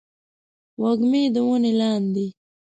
وږمې د ونې لاندې